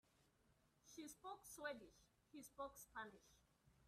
She spoke Swedish, he spoke Spanish.